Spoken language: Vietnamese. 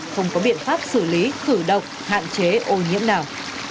không có biện pháp xử lý thử độc hạn chế ô nhiễm nào